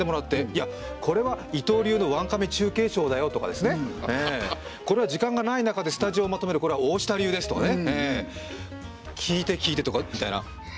いやこれは伊藤流のワンカメ中継ショーだよとかですねこれは時間がない中でスタジオをまとめるこれは大下流ですとかね聞いて聞いてとかみたいな。